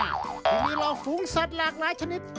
ยังมีหลอกฝูงสัตว์หลากหลายชนิด